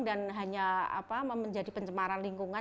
dan hanya menjadi pencemaran lingkungan